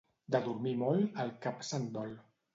De dormir molt, el cap se'n dol.